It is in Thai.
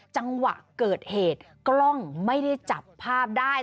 จังหวะเกิดเหตุกล้องไม่ได้จับภาพได้